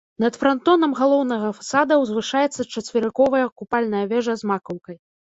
Над франтонам галоўнага фасада ўзвышаецца чацверыковая купальная вежа з макаўкай.